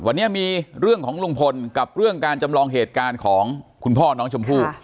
วันนี้มีเรื่องของลุงพลกับเรื่องการจำลองเหตุการณ์ของคุณพ่อน้องชมพู่